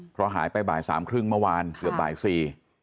เพราะหายไปบ่ายสามครึ่งเมื่อวานเกือบบ่ายสี่